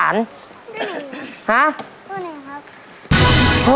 โอ้โห